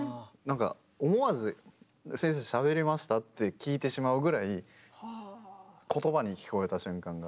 思わず「先生しゃべりました？」って聞いてしまうぐらい言葉に聞こえた瞬間が。